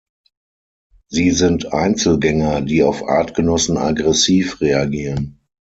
Sie sind Einzelgänger, die auf Artgenossen aggressiv reagieren.